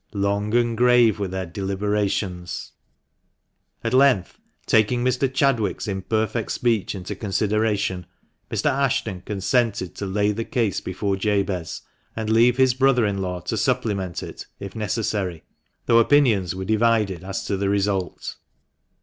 Long and grave were their deliberations. At length, taking Mr. Chadwick's imperfect speech into consideration, Mr. Ashton consented to lay the case before Jabez, and leave his brother in law to supplement it, if necessary ; though opinions were divided as to the result.